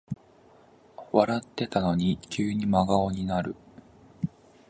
笑ってたのに急に真顔になる